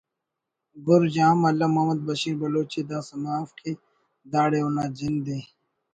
گرج ہم اَلو محمد بشیر بلوچ ءِ دا سما اف کہ داڑے اونا جند ءِ